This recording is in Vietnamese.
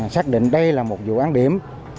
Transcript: xác định đây là một vụ án điểm